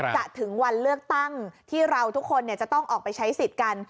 ถึงวันเลือกตั้งที่เราทุกคนจะต้องออกไปใช้สิทธิ์กัน